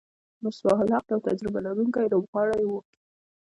مصباح الحق یو تجربه لرونکی لوبغاړی وو.